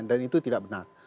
dan itu tidak benar